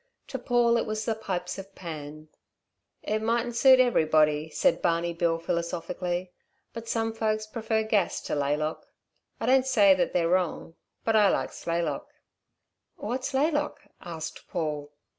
To Paul it was the pipes of Pan. "It mightn't suit everybody," said Barney Bill philosophically. "Some folks prefer gas to laylock. I don't say that they're wrong. But I likes laylock." "What's laylock?" asked Paul.